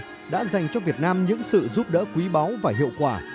đã dành cho việt nam những sự giúp đỡ quý báu và hiệu quả